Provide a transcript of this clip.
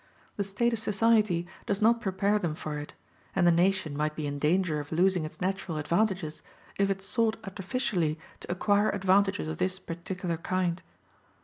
The state of society does not prepare them for it, and the nation might be in danger of losing its natural advantages if it sought artificially to acquire advantages of this particular kind.